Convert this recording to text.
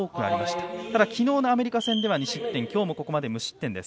ただ、昨日のアメリカ戦では２失点で、今日もここまで無失点。